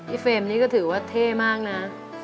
เฟรมนี่ก็ถือว่าเท่มากนะ